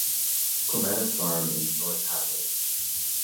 Clematis Farm in North Hatley.